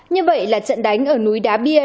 như vậy là trận đánh ở núi đá bia